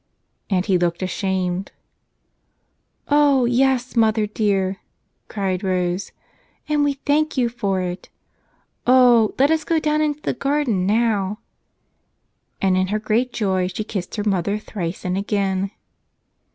And he looked ashamed. "Oh, yes, mother dear," cried Rose, "and we thank you for it. Oh, let us go down into the garden now!" And in her great joy she kissed her mother thrice and again.